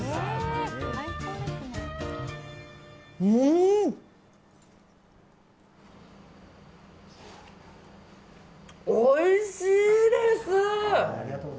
うん、おいしいです！